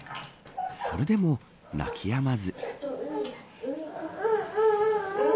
それでも泣きやまず。